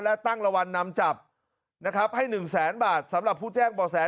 และตั้งรางวัลนำจับนะครับให้๑แสนบาทสำหรับผู้แจ้งบ่อแส